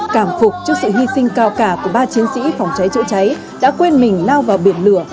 cảm phục trước sự hy sinh cao cả của ba chiến sĩ phòng cháy chữa cháy đã quên mình lao vào biển lửa